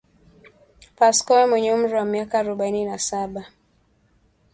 Pascoe mwenye umri wa miaka arobaini na saba